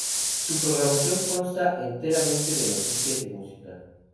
Su programación consta enteramente de noticias y música.